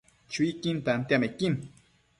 Chuiquin tantiamequin